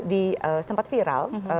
di tempat viral